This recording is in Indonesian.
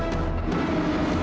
kamu boleh bermain lagi ya